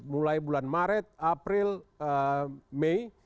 mulai bulan maret april mei